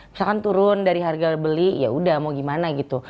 misalkan turun dari harga beli yaudah mau gimana gitu